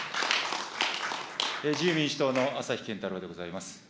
自由民主党の朝日健太郎でございます。